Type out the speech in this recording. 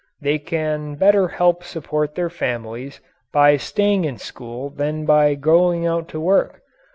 They can better help support their families by staying in school than by going out to work.